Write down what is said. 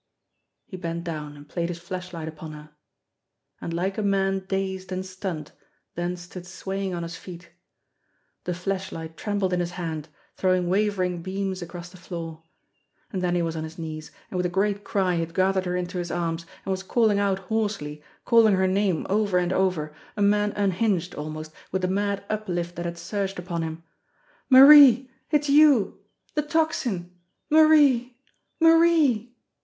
" He bent down and played his flashlight upon her and like a man dazed and stunned then stood swaying on his feet. The flashlight trembled in his hand, throwing wavering beams across the floor. And then he was on his knees, and with a great cry he had gathered her into his arms, and was calling out hoarsely, calling her name over and over, a man unhinged, almost, with the mad uplift that had surged upon him. "Marie it's you! The Tocsin! Marie! Marie!"